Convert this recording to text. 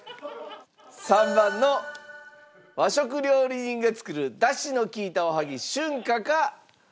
３番の和食料理人が作るダシの利いたおはぎ旬花か。